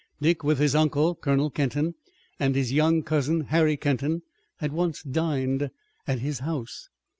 Dick, with his uncle, Colonel Kenton, and his young cousin, Harry Kenton, had once dined at his house.